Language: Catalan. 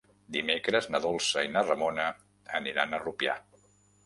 Dimecres na Dolça i na Ramona aniran a Rupià.